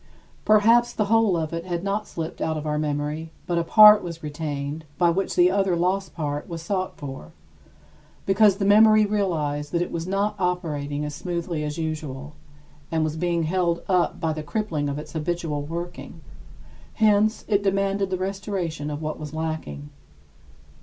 Perhaps the whole of it had not slipped out of our memory; but a part was retained by which the other lost part was sought for, because the memory realized that it was not operating as smoothly as usual and was being held up by the crippling of its habitual working; hence, it demanded the restoration of what was lacking.